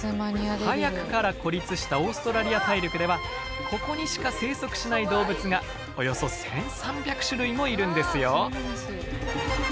早くから孤立したオーストラリア大陸ではここにしか生息しない動物がおよそ１，３００種類もいるんですよ。